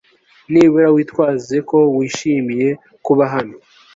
Nibura witwaze ko wishimiye kuba hano